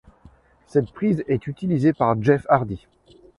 Cette prise est utilisée par Jeff Hardy.